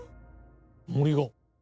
森が。